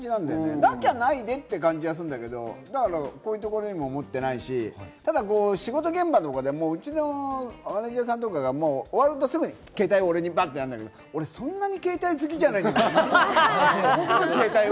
なきゃないでって感じはするんだけど、こういう所にも持ってないし、仕事現場とかでもうちのマネージャーさんとかが、終わるとすぐに携帯を俺にバッてやるけど、俺そんな携帯好きじゃないんだよなって。